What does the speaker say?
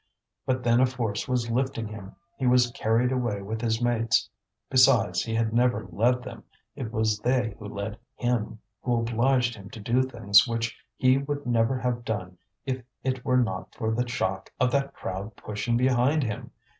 But then a force was lifting him, he was carried away with his mates. Besides, he had never led them, it was they who led him, who obliged him to do things which he would never have done if it were not for the shock of that crowd pushing behind him.